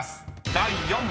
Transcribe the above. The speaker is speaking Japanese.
第４問］